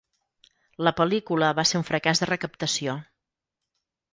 La pel·lícula va ser un fracàs de recaptació.